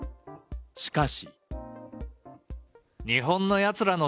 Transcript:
しかし。